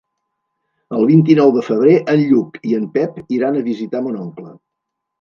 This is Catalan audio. El vint-i-nou de febrer en Lluc i en Pep iran a visitar mon oncle.